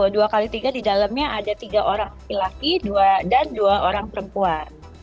dua kali tiga di dalamnya ada tiga orang laki laki dan dua orang perempuan